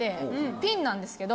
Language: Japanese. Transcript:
ピンなんですけど。